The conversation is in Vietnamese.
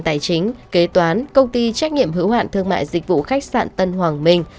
tài chính kế toán công ty trách nhiệm hữu hạn thương mại dịch vụ khách sạn tân hoàng minh